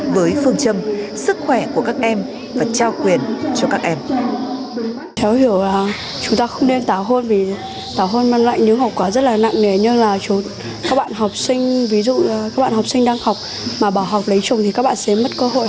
với phương châm sức khỏe của các em và trao quyền cho các em